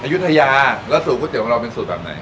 อายุทยาแล้วสูตรก๋วของเราเป็นสูตรแบบไหน